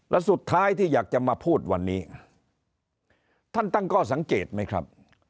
และสุดท้ายที่อยากจะมาพูดวันนี้ท่านตั้งข้อสังเกตไหมครับ